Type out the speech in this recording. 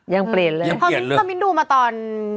ยังเปลี่ยนเลยยังเปลี่ยนเลยค่ะพอสิข้าวบิ๊นท์ดูมาตอน